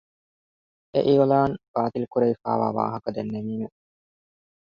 އެ އިއުލާން ބާތިލްކުރެވިފައިވާ ވާހަކަ ދެންނެވީމެވެ.